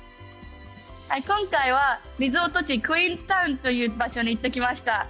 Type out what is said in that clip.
今回はリゾート地、クィーンズタウンという場所に行ってきました。